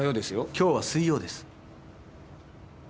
今日は水曜です。